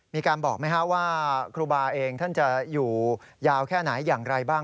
มีการบอกไหมครับว่าครูบาเองท่านจะอยู่ยาวแค่ไหนอย่างไรบ้าง